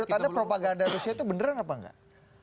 menurut anda propaganda rusia itu beneran apa enggak